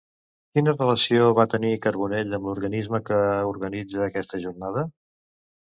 Quina relació va tenir Carbonell amb l'organisme que organitza aquesta jornada?